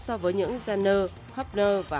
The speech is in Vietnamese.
so với những zenner huffner và